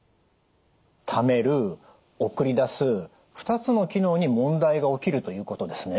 ためる送り出す２つの機能に問題が起きるということですね？